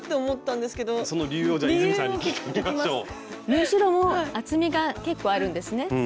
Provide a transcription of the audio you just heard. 縫い代も厚みが結構あるんですね。